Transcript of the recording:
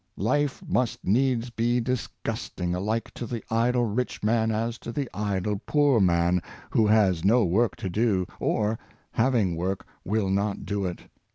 Life must needs be disgusting alike to the idle rich man as to the idle poor man, who has no work to do, or, having work, will not do it.